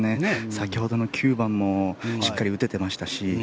先ほどの９番もしっかり打てていましたし